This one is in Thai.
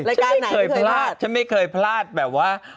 ฉันไม่เคยพลาดฉันไม่เคยพลาดแบบว่า